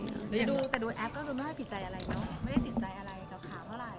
แต่ดูแต่ดูแอปก็ดูไม่ได้ผิดใจอะไรเนาะไม่ได้ติดใจอะไรกับข่าวเท่าไหร่